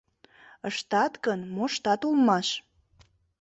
Ыштат гын, моштат улмаш.